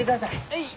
はい！